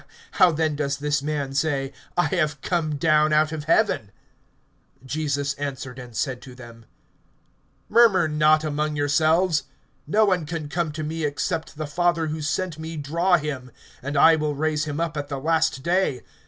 How then does this man say: I have come down out of heaven? (43)Jesus answered and said to them: Murmur not among yourselves. (44)No one can come to me, except the Father who sent me draw him; and I will raise him up at the last day.